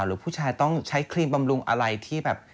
หรือผู้ชายต้องใช้ครีมบำรุงอะไรที่แบบ